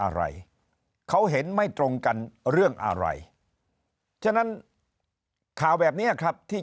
อะไรเขาเห็นไม่ตรงกันเรื่องอะไรฉะนั้นข่าวแบบนี้ครับที่